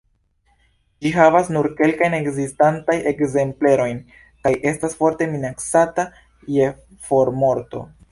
Ĝi havas nur kelkajn ekzistantajn ekzemplerojn kaj estas forte minacata je formorto.